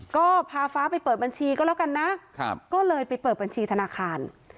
ก็พาฟ้าไปเปิดบัญชีก็แล้วกันนะก็เลยไปเปิดบัญชีธนาคาร